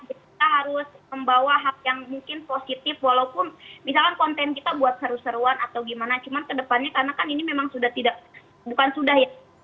jadi kita harus membawa hak yang mungkin positif walaupun misalkan konten kita buat seru seruan atau gimana cuman kedepannya karena kan ini memang sudah tidak bukan sudah ya